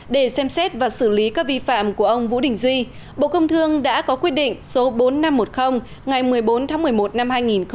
để xem xét và xử lý các vi phạm của ông vũ đình duy bộ công thương đã có quyết định số bốn nghìn năm trăm một mươi ngày một mươi bốn tháng một mươi một năm hai nghìn một mươi bảy